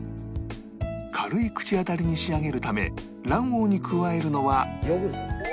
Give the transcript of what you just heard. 軽い口当たりに仕上げるため卵黄に加えるのは